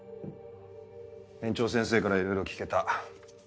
園長先生からいろいろ聞けた。